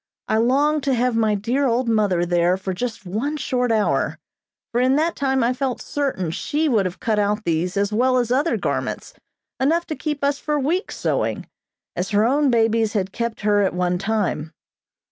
I longed to have my dear old mother there for just one short hour, for in that time I felt certain she would have cut out these as well as other garments, enough to keep us for weeks sewing, as her own babies had kept her at one time.